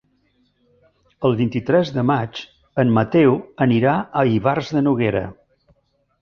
El vint-i-tres de maig en Mateu anirà a Ivars de Noguera.